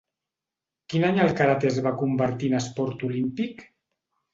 Quin any el karate es va convertir en esport olímpic?